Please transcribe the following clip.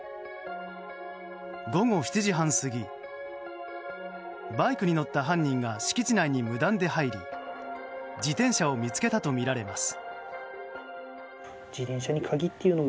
午後７時半過ぎバイクに乗った犯人が敷地内に無断で入り自転車を見つけたとみられます。